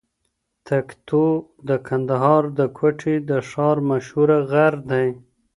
تکتو د کندهار د کوټي د ښار مشهوره غر دئ.